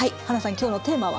今日のテーマは？